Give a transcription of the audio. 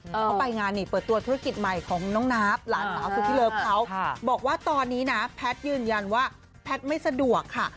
เขาไปงานนี่เปิดตัวธุรกิจใหม่ของน้องนับหลานสาวสุดที่เลิฟเขาบอกว่าตอนนี้นะแพทย์ยืนยันว่าแพทย์ไม่สะดวกค่ะ